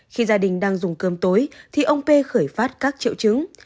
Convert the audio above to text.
khi gia đình đang dùng cơm tối thì ông p khởi phát các triệu chứng